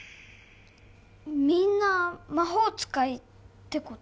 みんな魔法使いってこと？